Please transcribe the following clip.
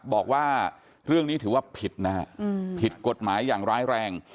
บอกว่าเรื่องนี้ถือว่าผิดนะฮะผิดกฎหมายอย่างร้ายแรง